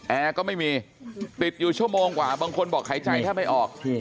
แอร์ก็ไม่มีติดอยู่ชั่วโมงกว่าบางคนบอกหายใจแทบไม่ออก